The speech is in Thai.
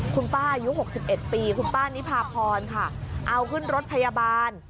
คุณป้าอายุ๖๑ปีนี่ภาพรเอาขึ้นรถพยาบาล